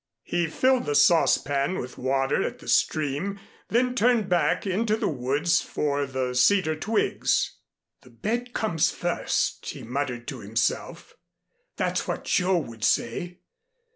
He filled the saucepan with water at the stream, then turned back into the woods for the cedar twigs. "The bed comes first," he muttered to himself. "That's what Joe would say.